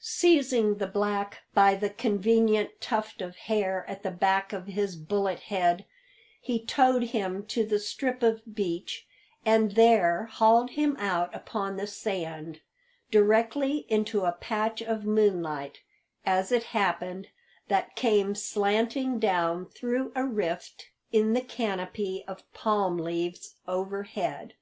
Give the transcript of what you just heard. Seizing the black by the convenient tuft of hair at the back of his bullet head, he towed him to the strip of beach, and there hauled him out upon the sand, directly into a patch of moonlight, as it happened, that came slanting down through a rift in the canopy of palm leaves overhead.